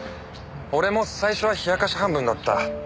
俺も最初はひやかし半分だった。